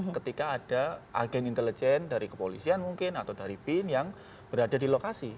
ketika ada agen intelijen dari kepolisian mungkin atau dari bin yang berada di lokasi